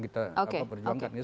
apalagi yang akan kita perjuangkan